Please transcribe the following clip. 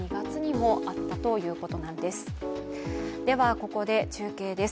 ここで中継です。